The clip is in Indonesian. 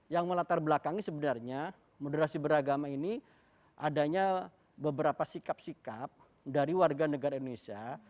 yang melatar belakangi sebenarnya moderasi beragama ini adanya beberapa sikap sikap dari warga negara indonesia